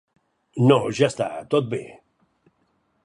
No, ja està, tot bé.